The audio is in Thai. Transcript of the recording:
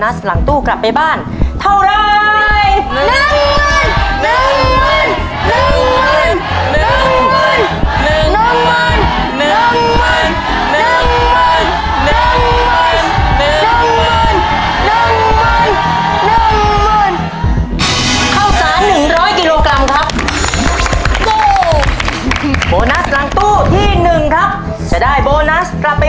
น้ำมันน้ำมันน้ำมันน้ำมันน้ำมันน้ำมันน้ำมันน้ำมัน